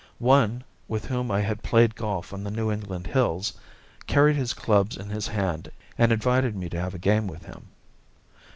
One, with whom I had played golf on the New England hills, carried his clubs in his hand and invited me to have a game with him.